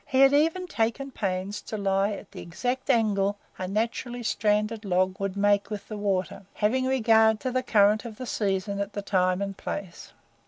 He had even taken pains to lie at the exact angle a naturally stranded log would make with the water, having regard to the current of the season at the time and place.